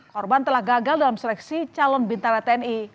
korban telah gagal dalam seleksi calon bintara tni